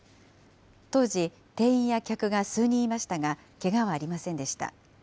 当時、店員や客が数人いましたが、けがはありませんでした。